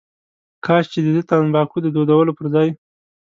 کاش چې دده تنباکو د دودولو پر ځای.